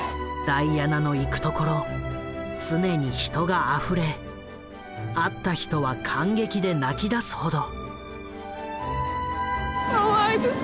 ダイアナの行くところ常に人があふれ会った人は感激で泣きだすほど。